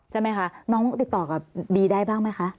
ใช่ไหมคะน้องติดต่อกับบีได้บ้างไหมคะ